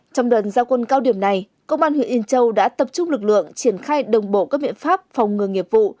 trong đợt gia quân cao điểm này công an huyện yên châu đã tập trung lực lượng triển khai đồng bộ các biện pháp phòng ngừa nghiệp vụ